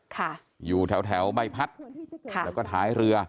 ค่ะอยู่แถวแถวใบพัดค่ะแล้วก็ท้ายเรือ